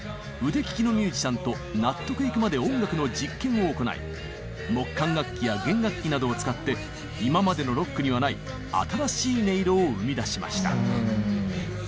腕利きのミュージシャンと納得いくまで音楽の実験を行い木管楽器や弦楽器などを使って今までのロックにはない新しい音色を生み出しました。